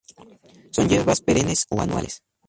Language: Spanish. Son hierbas perennes o anuales.